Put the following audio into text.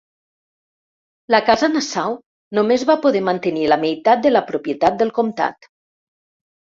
La casa Nassau només va poder mantenir la meitat de la propietat del comtat.